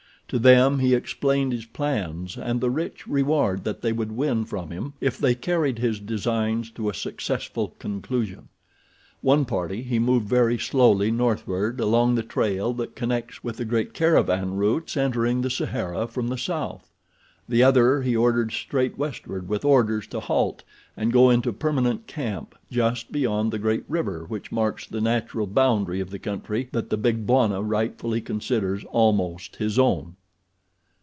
To them he explained his plans and the rich reward that they would win from him if they carried his designs to a successful conclusion. One party he moved very slowly northward along the trail that connects with the great caravan routes entering the Sahara from the south. The other he ordered straight westward with orders to halt and go into permanent camp just beyond the great river which marks the natural boundary of the country that the big Bwana rightfully considers almost his own.